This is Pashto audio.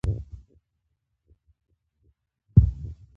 ځینې محصلین د خپلو تېرو تېروتنو نه زده کړه کوي.